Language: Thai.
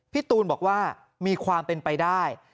ตูนบอกว่ามีความเป็นไปได้